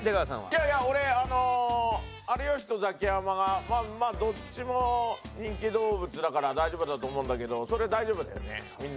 いやいや俺あの有吉とザキヤマがまあまあどっちも人気動物だから大丈夫だと思うんだけどそれ大丈夫だよね？